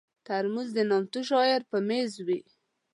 ترموز د نامتو شاعر پر مېز وي.